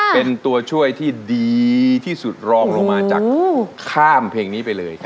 เป็นตัวช่วยที่ดีที่สุดรองลงมาจากข้ามเพลงนี้ไปเลย